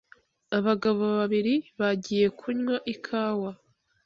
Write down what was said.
Abagabo babiri bagiye kunywa ikawa